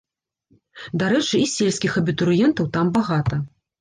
Дарэчы, і сельскіх абітурыентаў там багата.